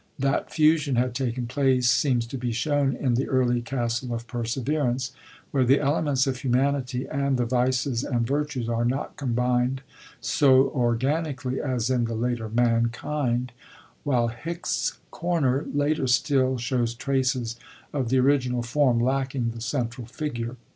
That fusion had taken place seems to be shown in the early Castle of Perseverance, where the elements of Humanity and the Vices and Virtues are not comUned so organically as in the later Mankind, while Hvckscomer^ later still, shows traces of the original form, lacking the central figure.